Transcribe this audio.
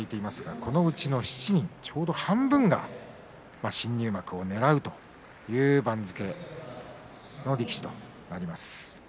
このうちの７人ちょうど半分が新入幕をねらうという番付の力士となります。